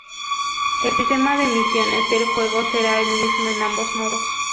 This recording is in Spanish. El sistema de misiones del juego será el mismo en ambos modos.